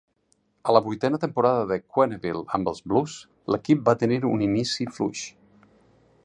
A la vuitena temporada de Quenneville amb els Blues, l'equip va tenir un inici fluix.